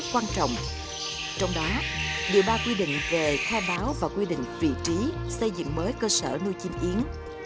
ba quy định về khe báo và quy định vị trí xây dựng mới cơ sở nuôi chim yến